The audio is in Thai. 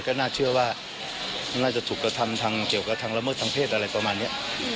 ก็น่าเชื่อว่าน่าจะถูกกระทำทางเกี่ยวกับทางละเมิดทางเพศอะไรประมาณนี้